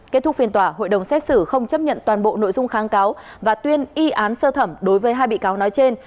kết thúc phiền tòa hội đồng xét xử không chấp nhận toàn bộ nội dung kháng cáo và tuyên y án sơ thẩm đối với hai bị cáo nói trên